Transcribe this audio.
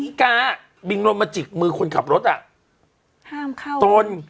อีกาบิงลมมาจิกมือคนขับรถอ่ะห้ามเข้าตน